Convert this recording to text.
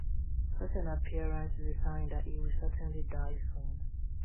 Such an appearance is a sign that he will certainly die soon.